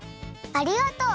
ありがとう！